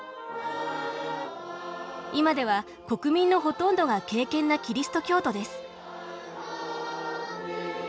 今では国民のほとんどが敬虔なキリスト教徒です。